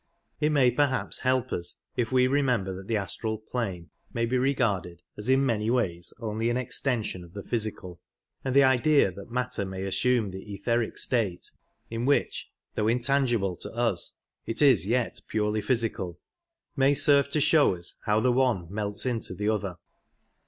It may perhaps help us if we remember that the astral plane may be regarded as in many ways only an extension of the physical, and the idea that matter may assume the etheric state (in which, though intangible to us, it is yet purely physical) may serve to show us how the one melts into the other.